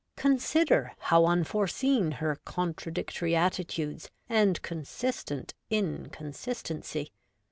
Consider : how unforeseen her con tradictory attitudes and consistent inconsistency.'